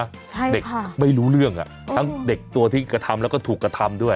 ใช่เด็กค่ะไม่รู้เรื่องอ่ะทั้งเด็กตัวที่กระทำแล้วก็ถูกกระทำด้วย